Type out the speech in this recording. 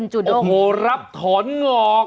โหรับถอนงอก